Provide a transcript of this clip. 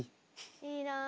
いいなあ。